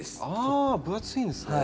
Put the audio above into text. あ分厚いんですね。